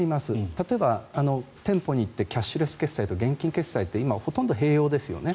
例えば、店舗に行ってキャッシュレス決済と現金決済と今、ほとんど併用ですよね。